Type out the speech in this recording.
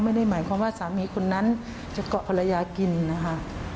ไม่ได้หมายความว่าสามีคนนั้นจะเกาะภรรยากินนะคะ